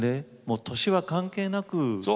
もう年は関係なく。